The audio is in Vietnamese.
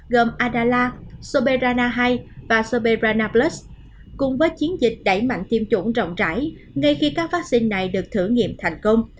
gồm adala soberana hai và soberanabus cùng với chiến dịch đẩy mạnh tiêm chủng rộng rãi ngay khi các vaccine này được thử nghiệm thành công